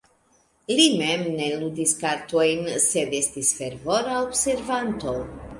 Li mem ne ludis kartojn, sed estis fervora observanto.